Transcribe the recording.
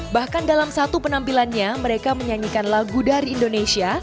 bahkan dalam satu penampilannya mereka menyanyikan lagu dari indonesia